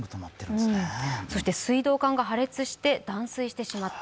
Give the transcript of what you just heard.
そして水道管が破裂して断水してしまった。